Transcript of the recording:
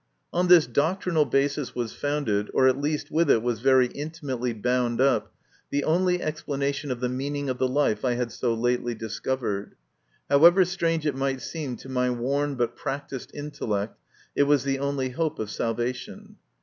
On this doctrinal basis was founded, or at least with it was very intimately bound up, the only explanation of the meaning of the life I had so lately discovered. However strange it might seem to my worn but practised intellect, it was the only hope of salvation.